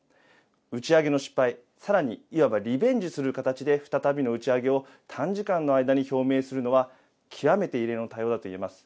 打ち上げの失敗、さらにいわばリベンジする形で、再びの打ち上げを短時間の間に表明するのは極めて異例の対応だといえます。